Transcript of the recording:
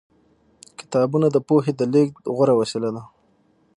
کتابونه د پوهې د لېږد غوره وسیله ده.